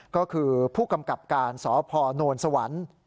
ก็คือผู้กำกับการสพนสวรรค์